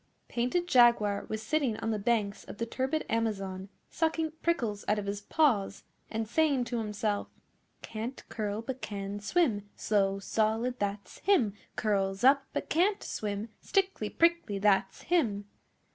Painted Jaguar was sitting on the banks of the turbid Amazon sucking prickles out of his Paws and saying to himself 'Can't curl, but can swim Slow Solid, that's him! Curls up, but can't swim Stickly Prickly, that's him!